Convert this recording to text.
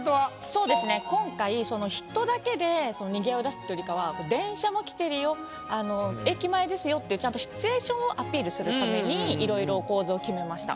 そうですね今回人だけでにぎわいを出すというよりかは電車も来てるよ駅前ですよっていうちゃんとシチュエーションをアピールするためにいろいろ構図を決めました。